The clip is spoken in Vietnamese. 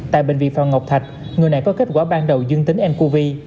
tại bệnh viện phạm ngọc thạch người này có kết quả ban đầu dương tính ncov